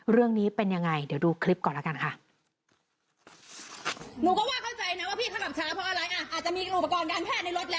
เรื่องนี้เป็นยังไงเดี๋ยวดูคลิปก่อนแล้วกันค่ะ